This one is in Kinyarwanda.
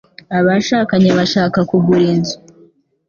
Abashakanye bashaka kugura inzu.